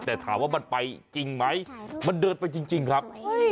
แต่ถามว่ามันไปจริงไหมมันเดินไปจริงครับ